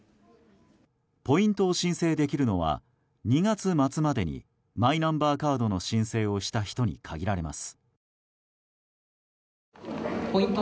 ポイントを申請できるのは２月末までにマイナンバーカードの申請をした人に限られます。